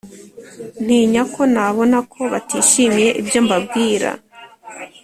ntinya ko nabona ko batishimiye ibyo mbabwira